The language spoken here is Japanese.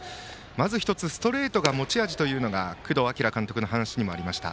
まず１つストレートが持ち味というのが工藤明監督の話もありました。